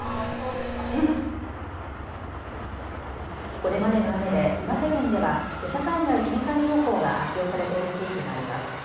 これまでの雨で岩手県では土砂災害警戒情報が発表されている地域があります。